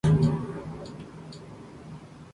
Se graduó como licenciado en Leyes.